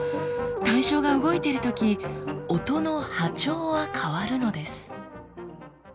対象が動いてるとき音の波長は変わるのです。